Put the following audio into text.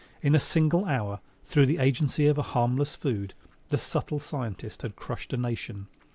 In a single hour, through the agency of a harmless food, the subtle scientist had crushed a nation.